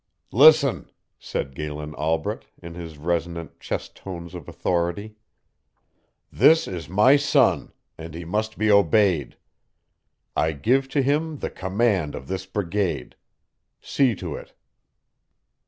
"Listen," said Galen Albret, in his resonant chest tones of authority. "This is my son, and he must be obeyed. I give to him the command of this brigade. See to it."